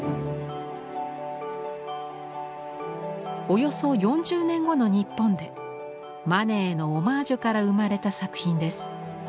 およそ４０年後の日本でマネへのオマージュから生まれた作品です。